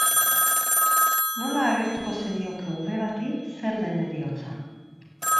Nola agertuko zenioke ume bati zer den heriotza?